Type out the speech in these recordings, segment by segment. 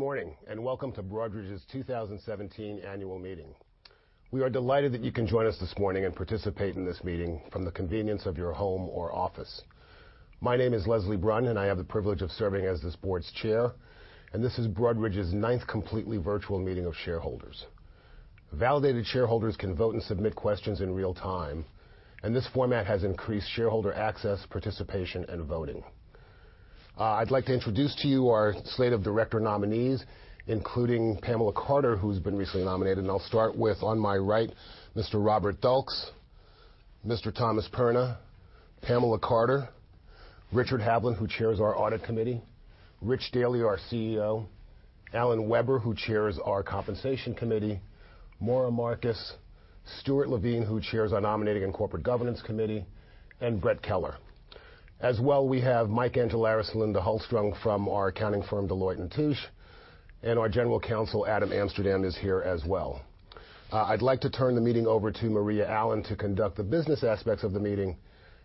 Good morning, and welcome to Broadridge's 2017 annual meeting. We are delighted that you can join us this morning and participate in this meeting from the convenience of your home or office. My name is Leslie Brun, and I have the privilege of serving as this board's Chair, and this is Broadridge's ninth completely virtual meeting of shareholders. Validated shareholders can vote and submit questions in real time, and this format has increased shareholder access, participation, and voting. I'd like to introduce to you our slate of director nominees, including Pamela L. Carter, who's been recently nominated. I'll start with on my right, Mr. Robert N. Duelks, Mr. Thomas J. Perna, Pamela L. Carter, Richard J. Haviland, who chairs our Audit Committee, Richard J. Daly, our CEO, Alan J. Weber, who chairs our Compensation Committee, Maura A. Markus, Stuart R. Levine, who chairs our Governance and Nominating Committee, and Brett A. Keller. We have Michael Angelakis and Linda Holmstrom from our accounting firm, Deloitte & Touche, and our General Counsel, Adam Amsterdam, is here as well. I'd like to turn the meeting over to Maria Allen to conduct the business aspects of the meeting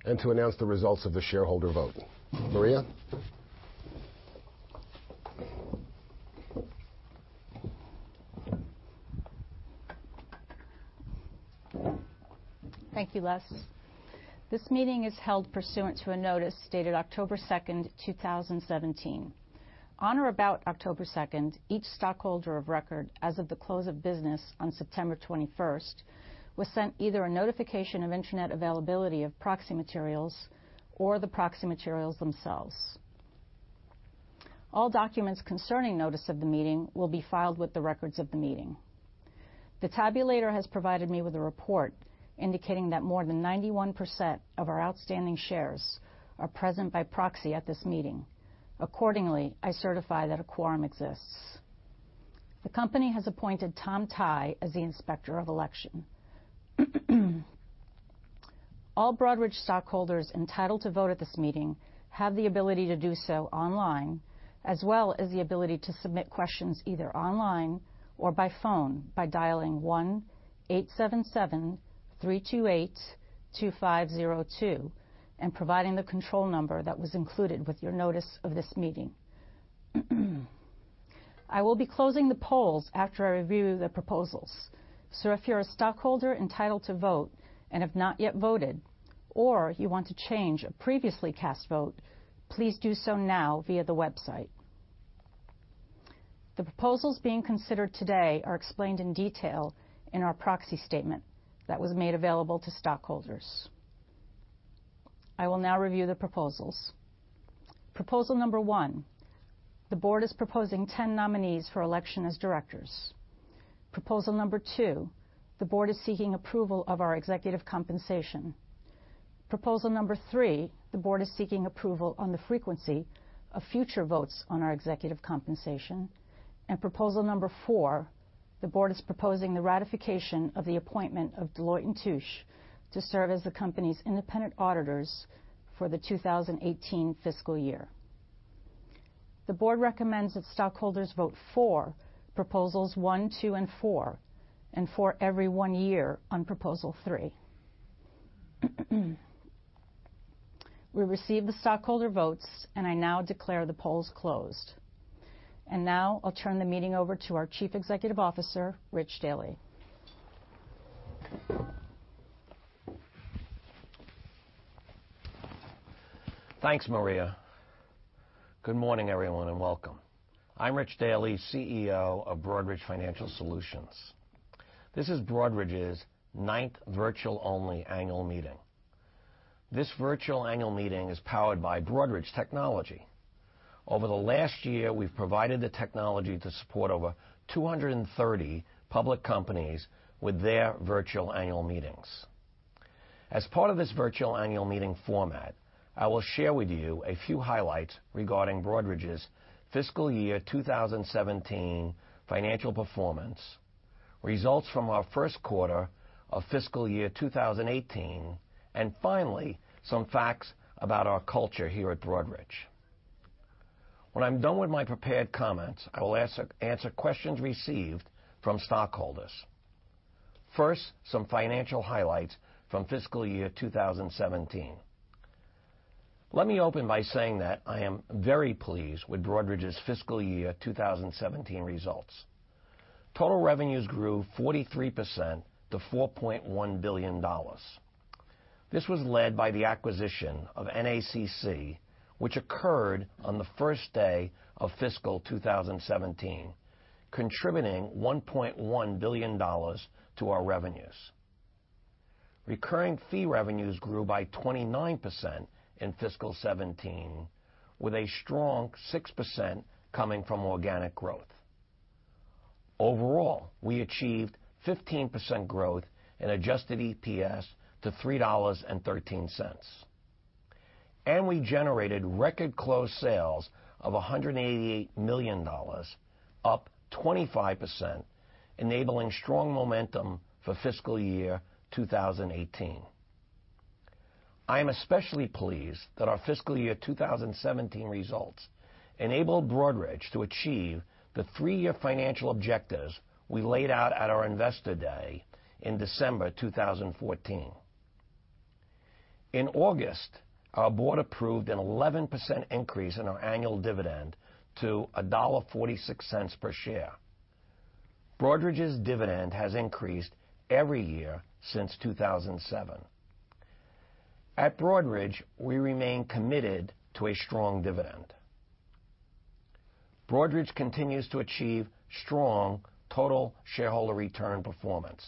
and to announce the results of the shareholder vote. Maria? Thank you, Les. This meeting is held pursuant to a notice dated October 2, 2017. On or about October 2, each stockholder of record as of the close of business on September 21 was sent either a notification of internet availability of proxy materials or the proxy materials themselves. All documents concerning notice of the meeting will be filed with the records of the meeting. The tabulator has provided me with a report indicating that more than 91% of our outstanding shares are present by proxy at this meeting. Accordingly, I certify that a quorum exists. The company has appointed Tom Tighe as the Inspector of Election. All Broadridge stockholders entitled to vote at this meeting have the ability to do so online, as well as the ability to submit questions either online or by phone by dialing 1-877-328-2502 and providing the control number that was included with your notice of this meeting. I will be closing the polls after I review the proposals. If you're a stockholder entitled to vote and have not yet voted, or you want to change a previously cast vote, please do so now via the website. The proposals being considered today are explained in detail in our proxy statement that was made available to stockholders. I will now review the proposals. Proposal number one, the board is proposing 10 nominees for election as directors. Proposal number two, the board is seeking approval of our executive compensation. Proposal number three, the board is seeking approval on the frequency of future votes on our executive compensation. Proposal number four, the board is proposing the ratification of the appointment of Deloitte & Touche to serve as the company's independent auditors for the 2018 fiscal year. The board recommends that stockholders vote for proposals one, two, and four, and for every one year on Proposal three. We receive the stockholder votes. I now declare the polls closed. Now I'll turn the meeting over to our Chief Executive Officer, Rich Daly. Thanks, Maria. Good morning, everyone, and welcome. I'm Rich Daly, CEO of Broadridge Financial Solutions. This is Broadridge's ninth virtual-only annual meeting. This virtual annual meeting is powered by Broadridge technology. Over the last year, we've provided the technology to support over 230 public companies with their virtual annual meetings. As part of this virtual annual meeting format, I will share with you a few highlights regarding Broadridge's fiscal year 2017 financial performance, results from our first quarter of fiscal year 2018, and finally, some facts about our culture here at Broadridge. When I'm done with my prepared comments, I will answer questions received from stockholders. First, some financial highlights from fiscal year 2017. Let me open by saying that I am very pleased with Broadridge's fiscal year 2017 results. Total revenues grew 43% to $4.1 billion. This was led by the acquisition of NACC, which occurred on the first day of fiscal year 2017, contributing $1.1 billion to our revenues. Recurring fee revenues grew by 29% in fiscal year 2017, with a strong 6% coming from organic growth. Overall, we achieved 15% growth in adjusted EPS to $3.13. We generated record close sales of $188 million, up 25%, enabling strong momentum for fiscal year 2018. I am especially pleased that our fiscal year 2017 results enabled Broadridge to achieve the three-year financial objectives we laid out at our Investor Day in December 2014. In August, our board approved an 11% increase in our annual dividend to $1.46 per share. Broadridge's dividend has increased every year since 2007. At Broadridge, we remain committed to a strong dividend. Broadridge continues to achieve strong total shareholder return performance.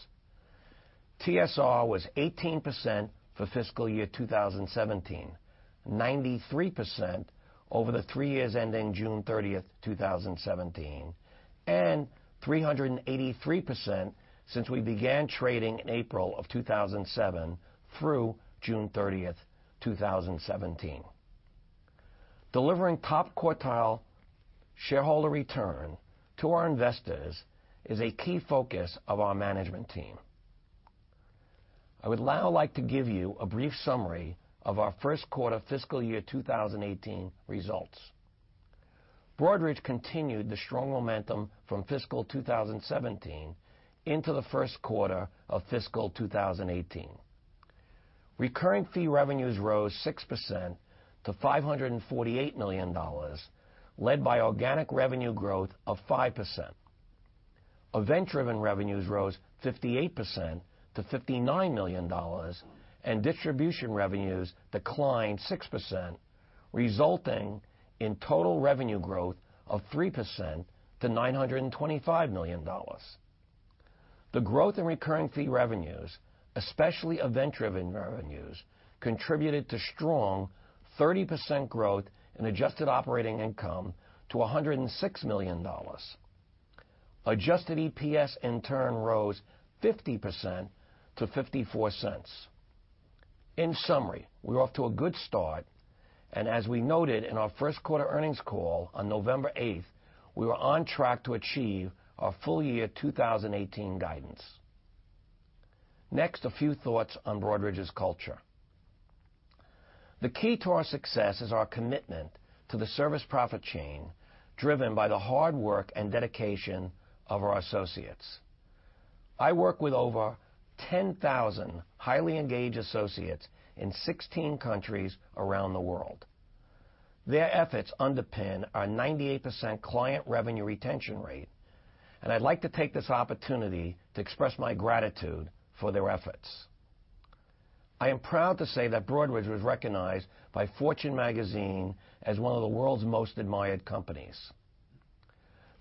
TSR was 18% for fiscal year 2017, 93% over the three years ending June 30, 2017, and 383% since we began trading in April of 2007 through June 30, 2017. Delivering top quartile shareholder return to our investors is a key focus of our management team. I would now like to give you a brief summary of our first quarter fiscal year 2018 results. Broadridge continued the strong momentum from fiscal year 2017 into the first quarter of fiscal year 2018. Recurring fee revenues rose 6% to $548 million, led by organic revenue growth of 5%. Event-driven revenues rose 58% to $59 million, distribution revenues declined 6%, resulting in total revenue growth of 3% to $925 million. The growth in recurring fee revenues, especially event-driven revenues, contributed to strong 30% growth in adjusted operating income to $106 million. Adjusted EPS, in turn, rose 50% to $0.54. In summary, we're off to a good start, as we noted in our first quarter earnings call on November 8th, we were on track to achieve our full year 2018 guidance. Next, a few thoughts on Broadridge's culture. The key to our success is our commitment to the service-profit chain, driven by the hard work and dedication of our associates. I work with over 10,000 highly engaged associates in 16 countries around the world. Their efforts underpin our 98% client revenue retention rate, I'd like to take this opportunity to express my gratitude for their efforts. I am proud to say that Broadridge was recognized by Fortune Magazine as one of the world's most admired companies.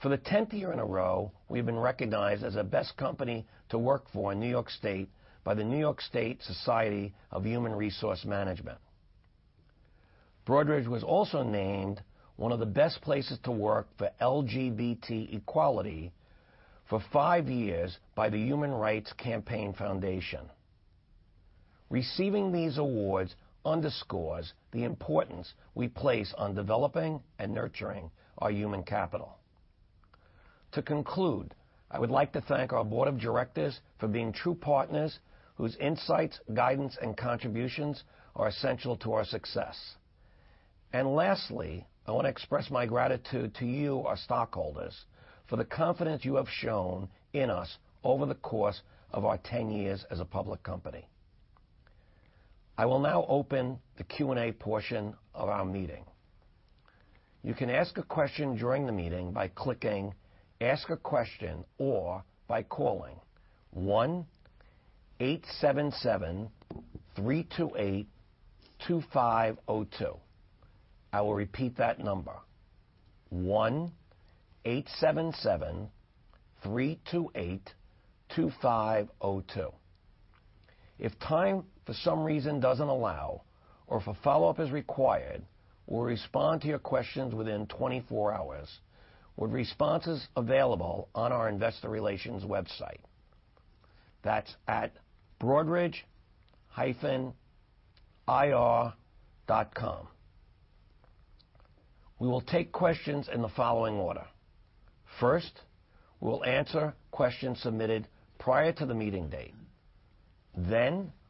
For the tenth year in a row, we've been recognized as a best company to work for in New York State by the New York State Society of Human Resource Management. Broadridge was also named one of the best places to work for LGBT equality for five years by the Human Rights Campaign Foundation. Receiving these awards underscores the importance we place on developing and nurturing our human capital. To conclude, I would like to thank our board of directors for being true partners whose insights, guidance, and contributions are essential to our success. Lastly, I want to express my gratitude to you, our stockholders, for the confidence you have shown in us over the course of our 10 years as a public company. I will now open the Q&A portion of our meeting. You can ask a question during the meeting by clicking Ask a Question or by calling 1-877-328-2502. I will repeat that number, 1-877-328-2502. If time, for some reason, doesn't allow, or if a follow-up is required, we'll respond to your questions within 24 hours with responses available on our investor relations website. That's at broadridge-ir.com. We will take questions in the following order. First, we'll answer questions submitted prior to the meeting date.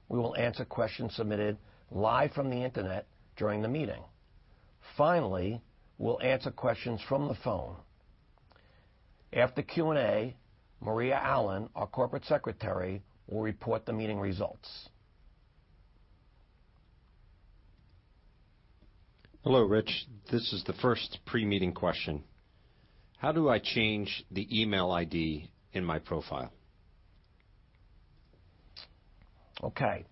We will answer questions submitted live from the internet during the meeting. Finally, we'll answer questions from the phone. After Q&A, Maria Allen, our corporate secretary, will report the meeting results. Hello, Rich. This is the first pre-meeting question. How do I change the email ID in my profile? We're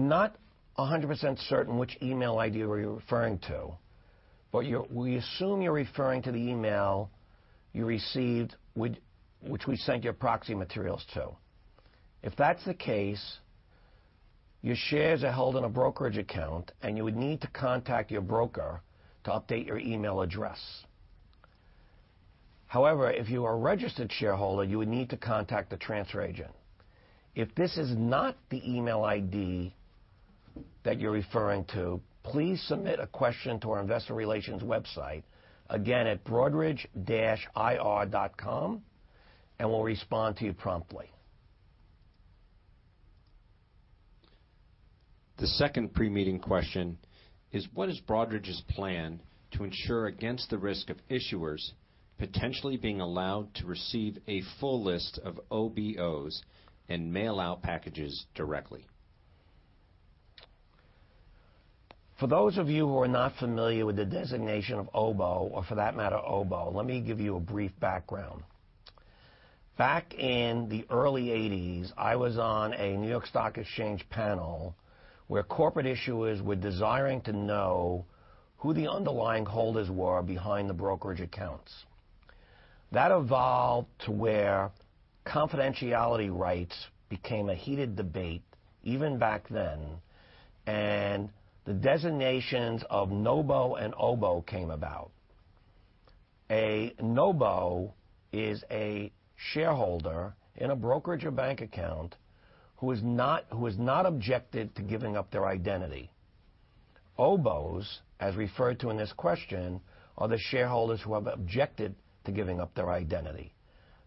not 100% certain which email ID you were referring to, but we assume you're referring to the email you received which we sent your proxy materials to. If that's the case, your shares are held in a brokerage account, and you would need to contact your broker to update your email address. However, if you are a registered shareholder, you would need to contact the transfer agent. If this is not the email ID that you're referring to, please submit a question to our investor relations website, again, at broadridge-ir.com, and we'll respond to you promptly. The second pre-meeting question is, what is Broadridge's plan to ensure against the risk of issuers potentially being allowed to receive a full list of OBOs and mail out packages directly? For those of you who are not familiar with the designation of OBO, or for that matter, OBO, let me give you a brief background. Back in the early '80s, I was on a New York Stock Exchange panel where corporate issuers were desiring to know who the underlying holders were behind the brokerage accounts. That evolved to where confidentiality rights became a heated debate even back then, and the designations of NOBO and OBO came about. A NOBO is a shareholder in a brokerage or bank account who has not objected to giving up their identity. OBOs, as referred to in this question, are the shareholders who have objected to giving up their identity.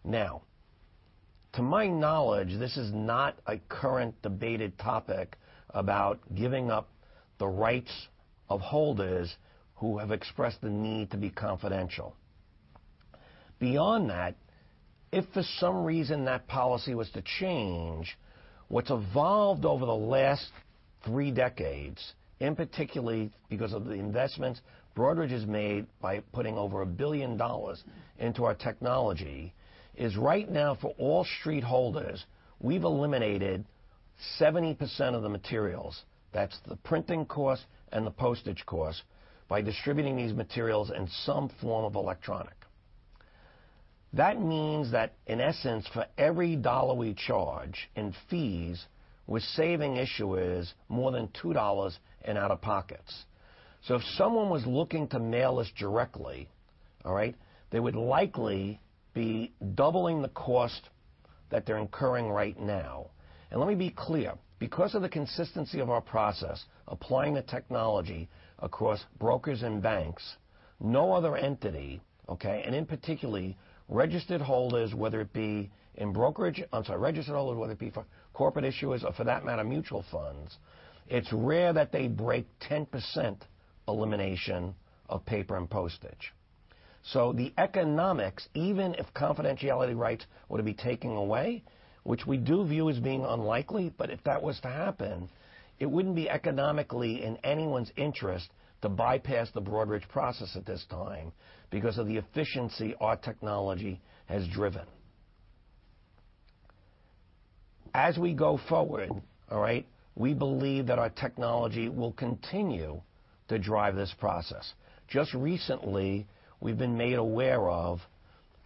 To my knowledge, this is not a current debated topic about giving up the rights of holders who have expressed the need to be confidential. Beyond that, if for some reason that policy was to change, what's evolved over the last three decades, in particular because of the investments Broadridge has made by putting over $1 billion into our technology, is right now for all street holders, we've eliminated 70% of the materials, that's the printing cost and the postage cost, by distributing these materials in some form of electronic. That means that in essence, for every $1 we charge in fees, we're saving issuers more than $2 in out-of-pockets. If someone was looking to mail this directly, all right, they would likely be doubling the cost that they're incurring right now. Let me be clear, because of the consistency of our process, applying the technology across brokers and banks, no other entity, okay, and in particular, registered holders, whether it be for corporate issuers, or for that matter, mutual funds, it's rare that they break 10% elimination of paper and postage. The economics, even if confidentiality rights were to be taken away, which we do view as being unlikely, but if that was to happen, it wouldn't be economically in anyone's interest to bypass the Broadridge process at this time because of the efficiency our technology has driven. As we go forward, all right, we believe that our technology will continue to drive this process. Just recently, we've been made aware of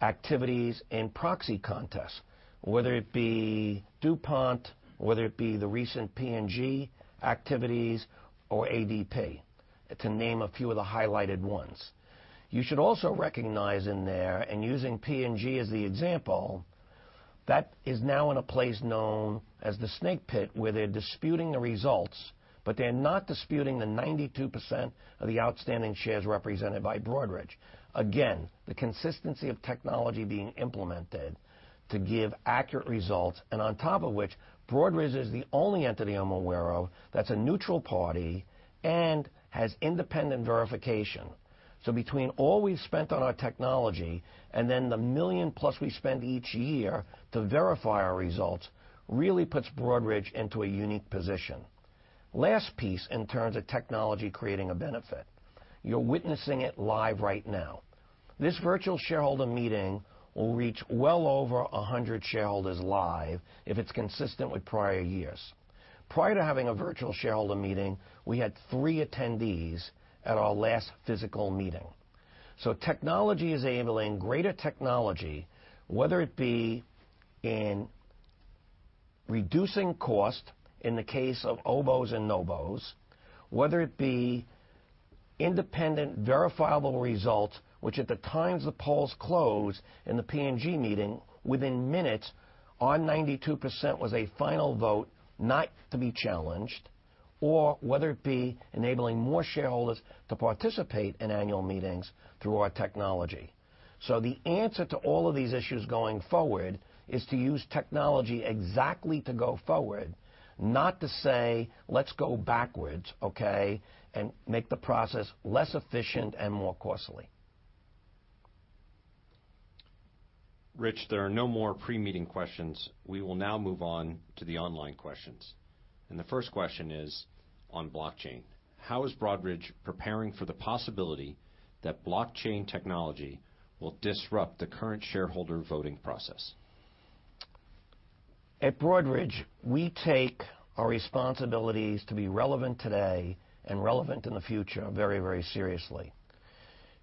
activities in proxy contests, whether it be DuPont, whether it be the recent P&G activities or ADP, to name a few of the highlighted ones. You should also recognize in there, and using P&G as the example, that is now in a place known as the snake pit, where they're disputing the results, but they're not disputing the 92% of the outstanding shares represented by Broadridge. Again, the consistency of technology being implemented to give accurate results, and on top of which, Broadridge is the only entity I'm aware of that's a neutral party and has independent verification. Between all we've spent on our technology and then the million-plus we spend each year to verify our results really puts Broadridge into a unique position. Last piece in terms of technology creating a benefit. You're witnessing it live right now. This virtual shareholder meeting will reach well over 100 shareholders live if it's consistent with prior years. Prior to having a virtual shareholder meeting, we had three attendees at our last physical meeting. Technology is enabling greater technology, whether it be in reducing cost in the case of OBOs and NOBOs, whether it be independent verifiable results, which at the times the polls close in the P&G meeting, within minutes, our 92% was a final vote not to be challenged, or whether it be enabling more shareholders to participate in annual meetings through our technology. The answer to all of these issues going forward is to use technology exactly to go forward, not to say, "Let's go backwards, okay, and make the process less efficient and more costly. Rich, there are no more pre-meeting questions. We will now move on to the online questions. The first question is on blockchain. How is Broadridge preparing for the possibility that blockchain technology will disrupt the current shareholder voting process? At Broadridge, we take our responsibilities to be relevant today and relevant in the future very, very seriously.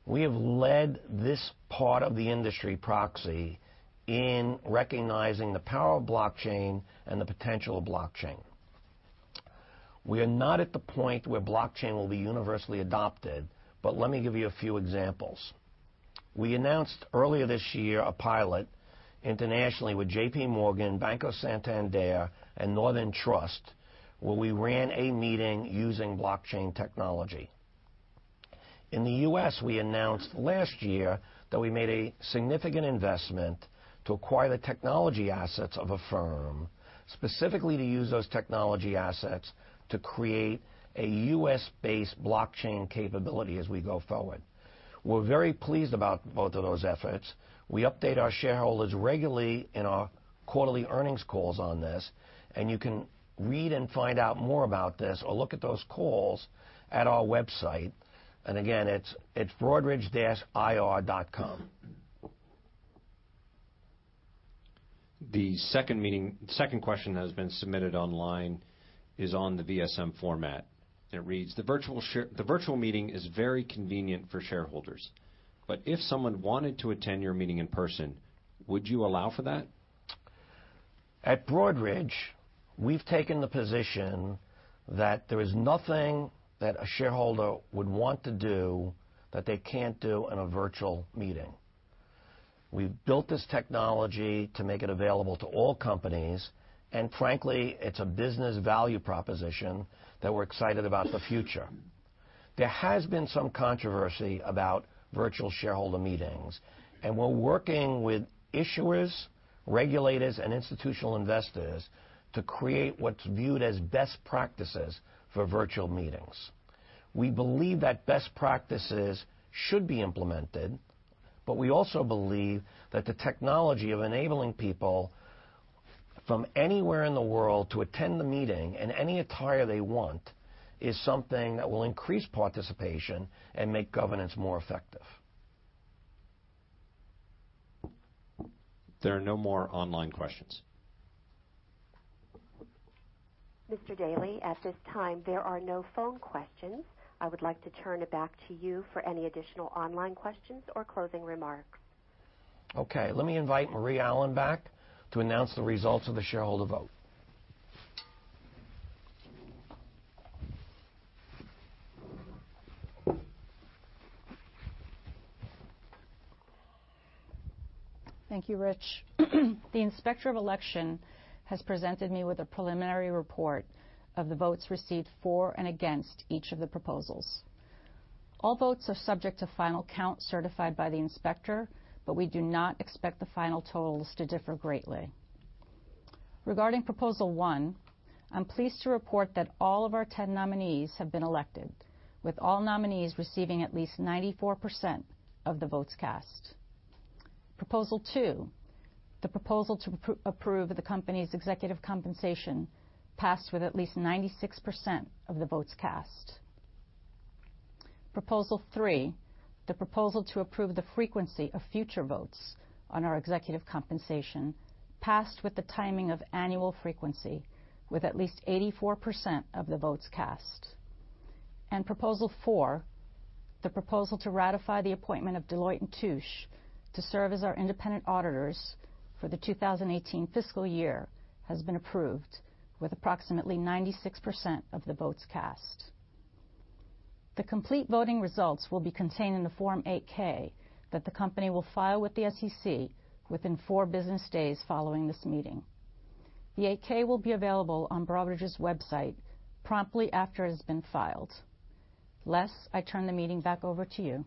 We have led this part of the industry proxy in recognizing the power of blockchain and the potential of blockchain. We are not at the point where blockchain will be universally adopted, but let me give you a few examples. We announced earlier this year a pilot internationally with JPMorgan, Banco Santander, and Northern Trust, where we ran a meeting using blockchain technology. In the U.S., we announced last year that we made a significant investment to acquire the technology assets of a firm, specifically to use those technology assets to create a U.S.-based blockchain capability as we go forward. We're very pleased about both of those efforts. We update our shareholders regularly in our quarterly earnings calls on this, and you can read and find out more about this or look at those calls at our website. Again, it's broadridge-ir.com. The second question that has been submitted online is on the VSM format. It reads, "The virtual meeting is very convenient for shareholders, but if someone wanted to attend your meeting in person, would you allow for that? At Broadridge, we've taken the position that there is nothing that a shareholder would want to do that they can't do in a virtual meeting. We've built this technology to make it available to all companies, frankly, it's a business value proposition that we're excited about the future. There has been some controversy about virtual shareholder meetings, we're working with issuers, regulators, and institutional investors to create what's viewed as best practices for virtual meetings. We believe that best practices should be implemented, we also believe that the technology of enabling people from anywhere in the world to attend the meeting in any attire they want is something that will increase participation and make governance more effective. There are no more online questions. Mr. Daly, at this time, there are no phone questions. I would like to turn it back to you for any additional online questions or closing remarks. Okay. Let me invite Maria Allen back to announce the results of the shareholder vote. Thank you, Rich. The Inspector of Election has presented me with a preliminary report of the votes received for and against each of the proposals. All votes are subject to final count certified by the Inspector, but we do not expect the final totals to differ greatly. Regarding proposal one, I'm pleased to report that all of our 10 nominees have been elected, with all nominees receiving at least 94% of the votes cast. Proposal two, the proposal to approve the company's executive compensation, passed with at least 96% of the votes cast. Proposal three, the proposal to approve the frequency of future votes on our executive compensation, passed with the timing of annual frequency, with at least 84% of the votes cast. Proposal four, the proposal to ratify the appointment of Deloitte & Touche to serve as our independent auditors for the 2018 fiscal year, has been approved with approximately 96% of the votes cast. The complete voting results will be contained in the Form 8-K that the company will file with the SEC within four business days following this meeting. The 8-K will be available on Broadridge's website promptly after it has been filed. Les, I turn the meeting back over to you.